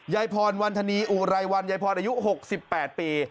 ยายพรวันธนีอุไรวันยายพรอายุ๖๘ปี